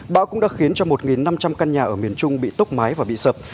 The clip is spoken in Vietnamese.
bão cũng đã khiến cho một năm trăm linh căn nhà ở miền trung bị tốc mái và bị sập